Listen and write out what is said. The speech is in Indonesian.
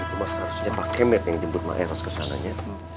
itu emas harus pakai med yang jemput maheros ke sananya